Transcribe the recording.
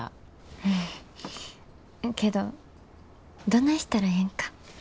うんけどどないしたらええんか。